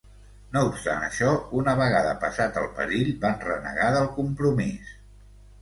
No obstant això, una vegada passat el perill, van renegar del compromís.